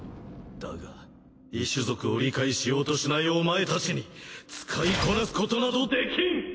だが異種族を理解しようとしないお前たちに使いこなすことなどできん！